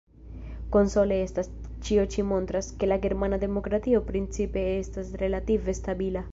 Konsole estas: ĉio ĉi montras, ke la germana demokratio principe estas relative stabila.